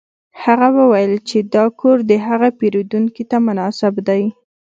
هغه وویل چې دا کور د هغه پیرودونکي ته مناسب دی